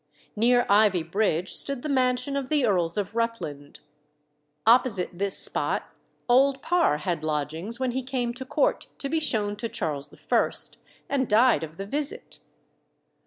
Near Ivy Bridge stood the mansion of the Earls of Rutland. Opposite this spot Old Parr had lodgings when he came to court to be shown to Charles I., and died of the visit.